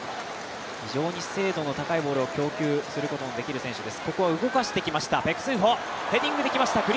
非常に精度のたかいボールを供給することができる選手です。